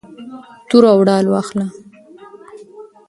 توره او ډال واخله.